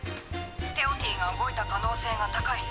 テオティが動いた可能性が高い。